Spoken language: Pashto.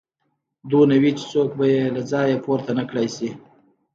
دومره وي چې څوک به يې له ځايه پورته نه کړای شي.